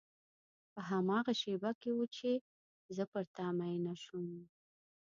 په هماغه شېبه کې و چې زه پر تا مینه شوم.